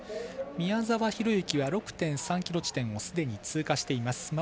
宮沢大志は６．３ｋｍ地点すでに通過しています。